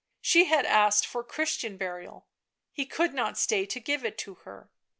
. she had asked for Christian burial ... he could not stay to give it her. .